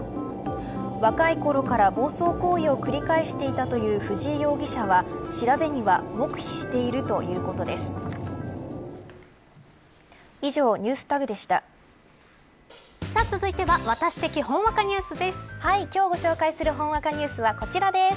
若いころから暴走行為を繰り返していたという藤井容疑者は調べには黙秘しているということです。